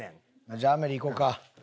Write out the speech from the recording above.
じゃあ『アメリ』いこうか？